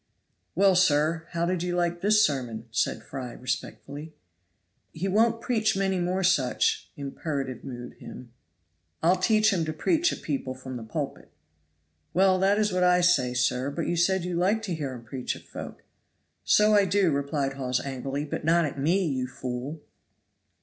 "Well, sir, how did you like this sermon?" said Fry, respectfully. "He won't preach many more such, (imperative mood) him. I'll teach him to preach at people from the pulpit." "Well, that is what I say, sir, but you said you liked to hear him preach at folk." "So I do," replied Hawes angrily, "but not at me, ye fool!"